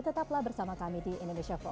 tetaplah bersama kami di indonesia forwar